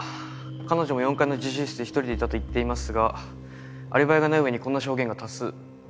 彼女も４階の自習室で１人でいたと言っていますがアリバイがない上にこんな証言が多数。